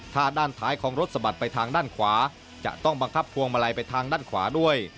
ถ้าด้านท้ายของรถสะบัดไปทางด้านขวาจะต้องบังคับพวงมาลัยไปทางด้านขวาด้วย